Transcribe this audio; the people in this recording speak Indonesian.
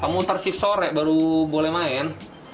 kamu tersif sore baru boleh main